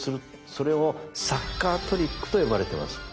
それを「サッカートリック」と呼ばれてます。